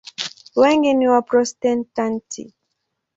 Wengi ni Waprotestanti.